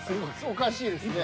［おかしいですね］